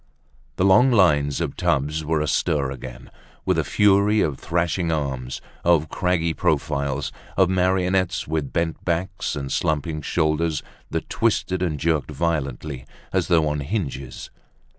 The long lines of tubs were astir again with the fury of thrashing arms, of craggy profiles, of marionettes with bent backs and slumping shoulders that twisted and jerked violently as though on hinges.